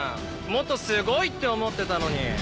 もっとすごいって思ってたのに」